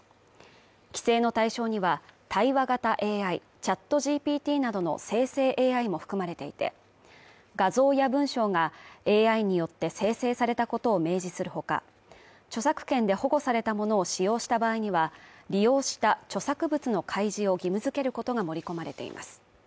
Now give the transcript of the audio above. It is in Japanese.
規制の対象には、対話型ＡＩＣｈａｔＧＰＴなどの生成ＡＩも含まれていて、画像や文章がＡＩによって生成されたことを明示するほか、著作権で保護されたものを使用した場合には利用した著作物の開示を義務付けることが盛り込まれています。